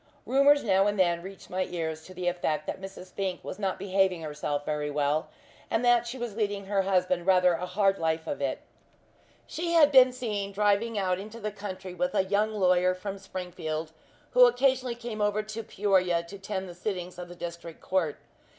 Rumours now and then reached my ears to the effect that Mrs. Fink was not behaving herself very well, and that she was leading her husband rather a hard life of it. She had been seen driving out into the country with a young lawyer from Springfield, who occasionally came over to Peoria to attend the sittings of the District Court.